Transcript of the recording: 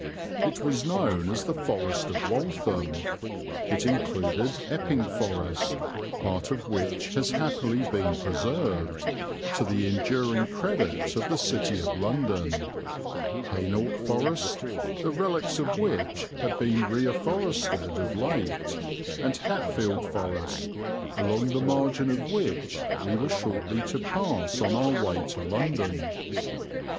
It was known as the Forest of Waltham; it included Epping Forest, part of which has happily been preserved, to the enduring credit of the City of London, Hainault Forest, the relics of which have been reafforested of late, and Hatfield Forest, along the margin of which we were shortly to pass on our way to London.